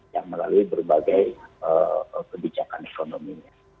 yang melalui berbagai kebijakan ekonominya